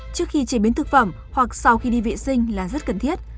trước khi chế biến thực phẩm hoặc sau khi đi vệ sinh là rất cần thiết